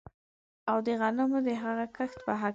او د غنمو د هغه کښت په هکله